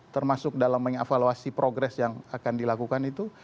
termasuk dalam mengevaluasi progres yang akan dilakukan itu